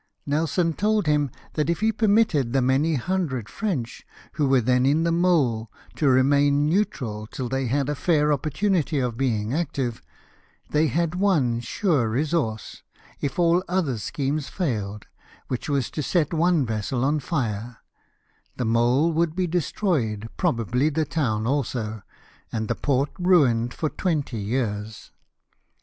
Nelson told liim that if he permitted the many hundred French who were then in the mole to remain neutral till they had a IViir opportunity of being active, they had one sure resource, if all other schemes failed, which was to set one vessel on fire, the mole would be de stroyed, probably the town also, and the port ruined for twenty years.